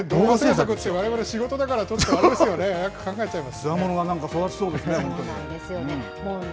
われわれ仕事だからね、ちょっとあれですよね、考えちゃいます。